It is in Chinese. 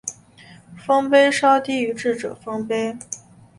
丰碑稍低于智者丰碑。